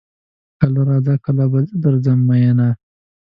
کله راځه کله به زه درځم ميينه